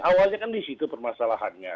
awalnya kan di situ permasalahannya